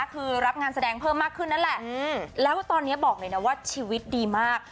คือรับงานแสดงเพิ่มมากขึ้นนั่นแหละแล้วตอนนี้บอกเลยนะว่าชีวิตดีมาก